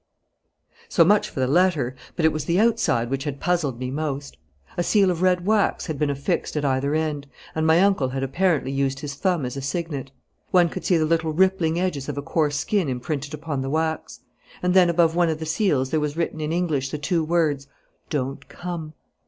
So much for the letter, but it was the outside which had puzzled me most. A seal of red wax had been affixed at either end, and my uncle had apparently used his thumb as a signet. One could see the little rippling edges of a coarse skin imprinted upon the wax. And then above one of the seals there was written in English the two words, 'Don't come.'